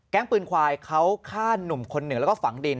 แก๊งปืนควายเขาฆ่านุ่มคนเหนือแล้วก็ฝังดิน